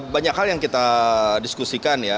banyak hal yang kita diskusikan ya